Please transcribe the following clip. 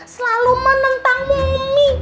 selalu menentangnya emy